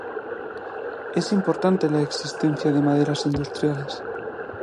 Es importante la existencia de maderas industriales.